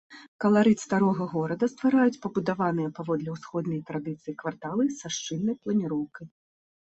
Каларыт старога горада ствараюць пабудаваныя паводле ўсходняй традыцыі кварталы са шчыльнай планіроўкай.